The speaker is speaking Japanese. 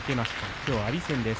きょうは、阿炎戦です。